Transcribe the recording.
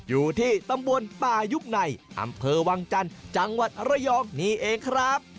อยู่ที่ตำบลป่ายุบในอำเภอวังจันทร์จังหวัดระยองนี่เองครับ